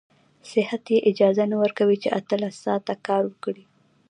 صحت يې اجازه نه ورکوي چې اتلس ساعته کار وکړي.